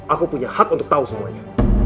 aku punya hak untuk tahu semuanya